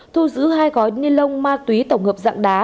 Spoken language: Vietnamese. thu giữ hai gói ni lông ma túy tổng hợp dạng đá